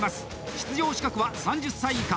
出場資格は３０歳以下。